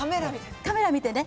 カメラ見てね。